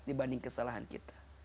dibanding kesalahan kita